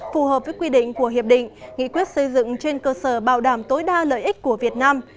phù hợp với quy định của hiệp định nghị quyết xây dựng trên cơ sở bảo đảm tối đa lợi ích của việt nam